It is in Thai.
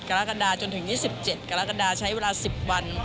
กรกฎาจนถึงยี่สิบเจ็ดกรกฎาใช้เวลาสิบวัน